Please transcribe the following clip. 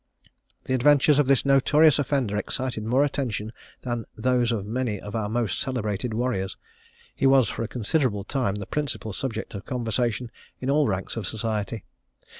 The adventures of this notorious offender excited more attention than those of many of our most celebrated warriors. He was, for a considerable time, the principal subject of conversation in all ranks of society.